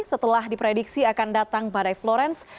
setelah diprediksi akan datang badai florence